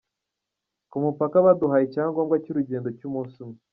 Ku mupaka baduhaye icyangombwa cy’urugendo cy’umunsi umwe.